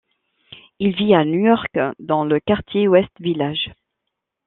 Il vit à New York, dans le quartier West Village.